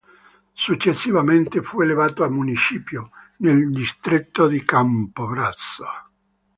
Successivamente fu elevato a municipio, nel distretto di Campobasso.